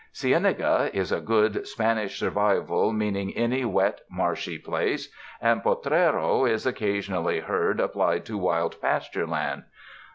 Cienaga is a good Spanish survival mean ing any wet, marshy place, and potrero is occasion ally heard applied to wild pasture land.